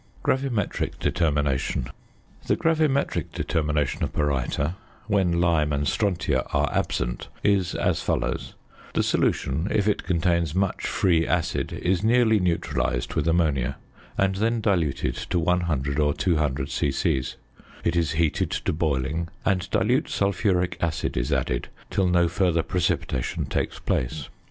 GRAVIMETRIC DETERMINATION. The gravimetric determination of baryta, when lime and strontia are absent, is as follows: The solution, if it contains much free acid, is nearly neutralised with ammonia, and then diluted to 100 or 200 c.c. It is heated to boiling, and dilute sulphuric acid is added till no further precipitation takes place.